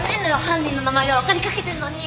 犯人の名前が分かりかけてんのに。